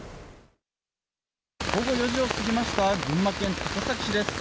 午後４時を過ぎました、群馬県高崎市です。